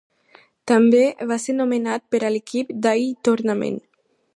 També va ser nomenat per a l'equip d'All-Tournament.